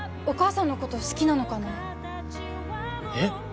お母さんのこと好きなのかなえっ？